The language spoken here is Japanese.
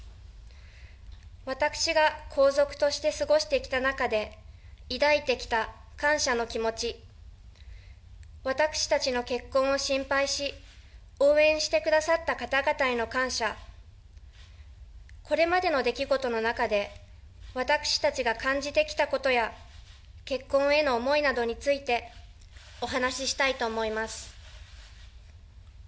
私が皇族として過ごしてきた中で、抱いてきた感謝の気持ち、私たちの結婚を心配し、応援してくださった方々への感謝、これまでの出来事の中で私たちが感じてきたことや、結婚への思いなどについて、お話ししたいと思います。